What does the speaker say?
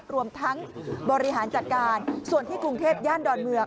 รวมทั้งบริหารจัดการส่วนที่กรุงเทพย่านดอนเมือง